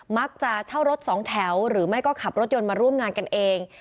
มักจะเช่ารถสองแถวหรือไม่ก็ขับรถยนต์มาร่วมงานกันเอง